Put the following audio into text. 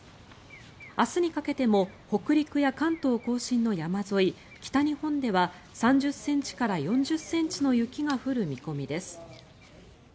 明日にかけても北陸や関東・甲信の山沿い、北日本では３０ｃｍから４０ｃｍの雪が降る見込みです。